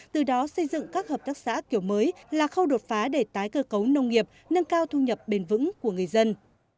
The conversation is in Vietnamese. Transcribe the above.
từ đó xây dựng các hợp tác xã kiểu mới là khâu đột phá để tái cơ cấu nông nghiệp nâng cao thu nhập bền vững của người dân